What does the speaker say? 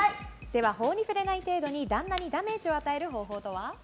法に触れない程度に旦那にダメージを与える方法とは？